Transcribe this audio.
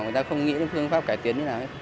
người ta không nghĩ phương pháp cải tiến như nào